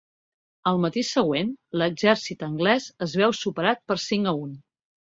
Al matí següent, l'Exèrcit anglès es veu superar per cinc a un.